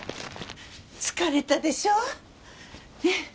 疲れたでしょうね。